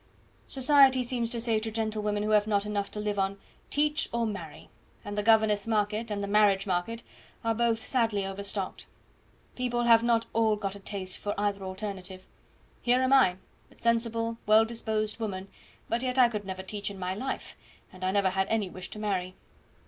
Society seems to say to gentlewomen who have not enough to live on, 'Teach or marry;' and the governess market and the marriage market are both sadly overstocked. People have not all got a taste for either alternative. Here am I, a sensible, well disposed woman, but yet I never could teach in my life, and I never had any wish to marry."